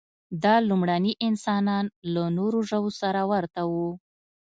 دا لومړني انسانان له نورو ژوو سره ورته وو.